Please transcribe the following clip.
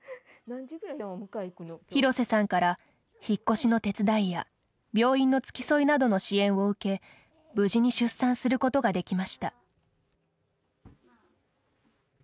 廣瀬さんから引っ越しの手伝いや病院の付き添いなどの支援を受け無事に出産することができました。